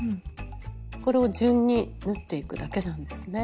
これを順に縫っていくだけなんですね。